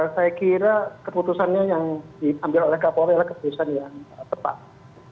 saya kira keputusannya yang diambil oleh kapolri adalah keputusan yang tepat